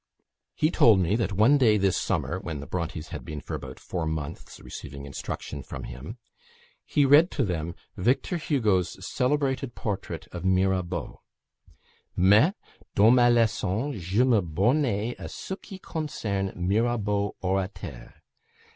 He told me that one day this summer (when the Brontes had been for about four months receiving instruction from him) he read to them Victor Hugo's celebrated portrait of Mirabeau, "mais, dans ma lecon je me bornais a ce qui concerne Mirabeau orateur.